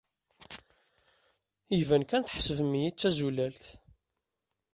Iban kan tḥesbem-iyi d tazulalt.